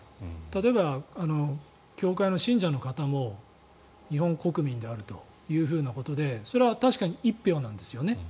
例えば、教会の信者の方も日本国民であるというようなことでそれは確かに１票なんですよね。